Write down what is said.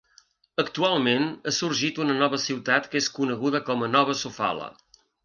Actualment ha sorgit una nova ciutat que és coneguda com a Nova Sofala.